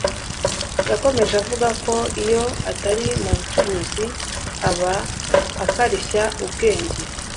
Yakomeje avuga ko iyo atari mu bucuruzi, aba akarishya ubwenge.